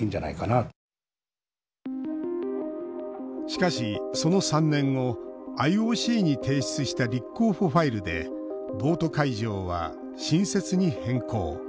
しかしその３年後ＩＯＣに提出した「立候補ファイル」でボート会場は新設に変更。